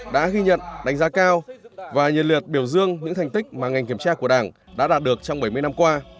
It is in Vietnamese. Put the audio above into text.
đã ghi nhận đánh giá cao và nhiệt liệt biểu dương những thành tích mà ngành kiểm tra của đảng đã đạt được trong bảy mươi năm qua